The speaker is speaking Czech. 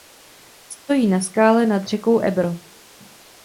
Stojí na skále nad řekou Ebro.